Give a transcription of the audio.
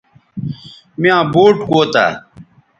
میاں بوٹ کوتہ